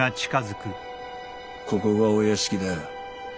ここがお屋敷だよ。